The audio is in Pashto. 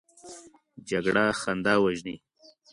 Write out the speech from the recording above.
جګړه خندا وژني